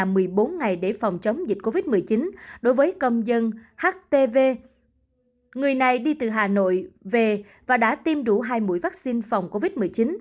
nhiều người đã vào nhà một mươi bốn ngày để phòng chống dịch covid một mươi chín đối với công dân htv người này đi từ hà nội về và đã tiêm đủ hai mũi vắc xin phòng covid một mươi chín